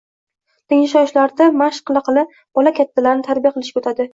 Tengdoshlarida mashq qila-qila, bola kattalarni “tarbiya qilishga” o‘tadi.